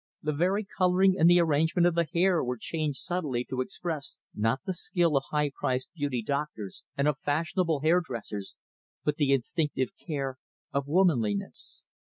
The very coloring and the arrangement of the hair were changed subtly to express, not the skill of high priced beauty doctors and of fashionable hair dressers, but the instinctive care of womanliness.